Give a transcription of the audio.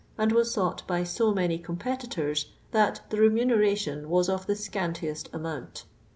' and wa? sought by so many competitors, that the ' remuneration was of the scantiest nm'nint.